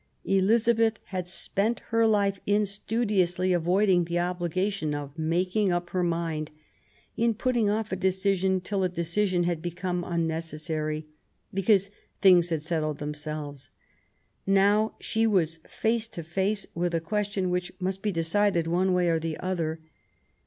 Elizabeth had spent her life in studiously avoiding the obligation of making up her mind, in putting off a decision till a decision had become unnecessary, because things had settled themselves. Now she was face to face with a question which must be decided one way or the other.